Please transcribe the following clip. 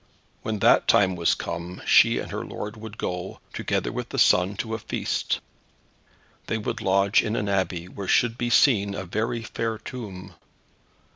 When that time was come she and her lord would go together with the son to a feast. They would lodge in an Abbey, where should be seen a very fair tomb.